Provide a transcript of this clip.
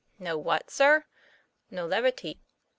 "No what, sir?" "No levity."